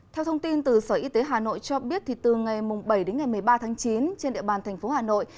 theo thông tin từ sở y tế hà nội cho biết từ ngày bảy đến ngày một mươi ba tháng chín trên địa bàn thành phố hà nội